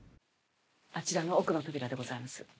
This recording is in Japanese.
あちらの奥の扉でございます。